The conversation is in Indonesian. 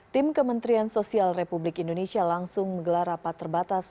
tim kementerian sosial republik indonesia langsung menggelar rapat terbatas